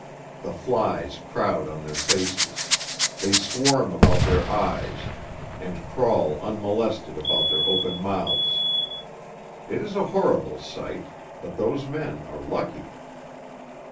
The flies crowd on their faces; they swarm about their eyes, and crawl unmolested about their open mouths. It is a horrible sight, but those men are lucky.